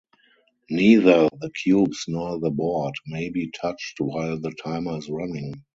Neither the cubes nor the board may be touched while the timer is running.